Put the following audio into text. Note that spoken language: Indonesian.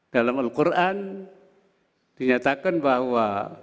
dalam al quran dinyatakan bahwa